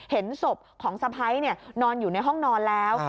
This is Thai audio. เห็นศพของสะพ้ายนอนอยู่ในห้องนอนแล้ว